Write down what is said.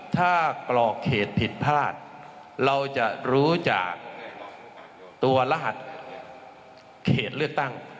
ถ้ากรอกเขตผิดพลาดเราจะรู้จากตัวรหัสเขตเลือกตั้ง